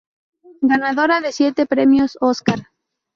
Ganadora de siete premios Óscar.